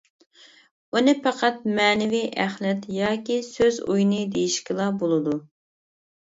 ئۇنى پەقەت مەنىۋى ئەخلەت ياكى سۆز ئويۇنى دېيىشكىلا بولىدۇ.